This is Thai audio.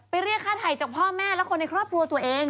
เรียกค่าถ่ายจากพ่อแม่และคนในครอบครัวตัวเอง